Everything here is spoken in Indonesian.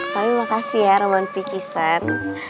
tapi makasih ya roman v cisan